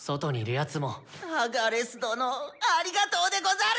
アガレス殿ありがとうでござる！